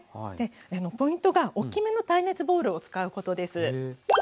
でポイントが大きめの耐熱ボウルを使うことです。